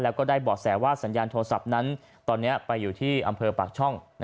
แล้วก็ได้เบาะแสว่าสัญญาณโทรศัพท์นั้นตอนนี้ไปอยู่ที่อำเภอปากช่อง